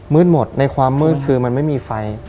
หมดในความมืดคือมันไม่มีไฟ